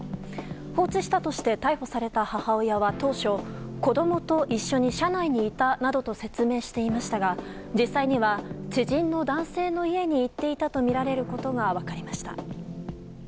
放置したとして逮捕された母親は当初、子供と一緒に車内にいたなどと説明していましたが実際には知人の男性に行っていたとみられることが分かりました。